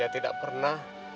ya tidak pernah